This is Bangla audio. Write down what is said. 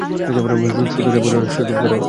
শুটুদাদা ড্রাইভ করবে এবার!